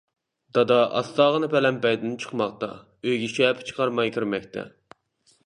دادا ئاستاغىنا پەلەمپەيدىن چىقماقتا، ئۆيگە شەپە چىقارماي كىرمەكتە.